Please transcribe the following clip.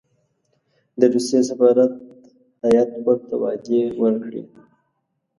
د روسیې سفارت هېئت ورته وعدې ورکړې.